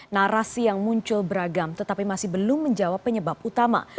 narasi yang muncul beragam tetapi masih belum menjawab penyebab utama